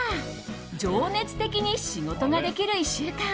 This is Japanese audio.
情熱的に仕事ができる１週間。